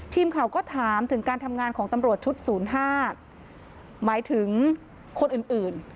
ทีมข่าวก็ถามถึงการทำงานของตำรวจชุดศูนย์ห้าหมายถึงคนอื่นอื่น